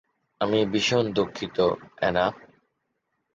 আমি ভীষণ দুঃখিত, অ্যানা।